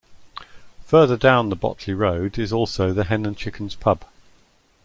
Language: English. Further down Botley Road is also the Hen and Chickens pub.